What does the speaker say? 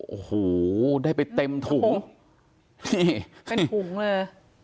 โอ้โหได้ไปเต็มถุงนี่เป็นถุงเลย